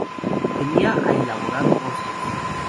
Venia a elaborar postes.